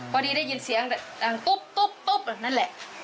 พอดีได้ยินเสียงดังตุ๊บแบบนั่นแหละ